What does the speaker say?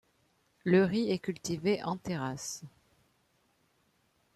Le riz est cultivé en terrasses.